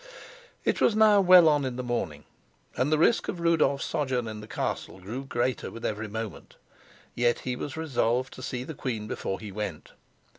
It was now well on in the morning, and the risk of Rudolf's sojourn in the castle grew greater with every moment. Yet he was resolved to see the queen before he went.